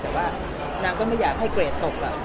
แต่ว่านางก็ไม่อยากให้เกรดตก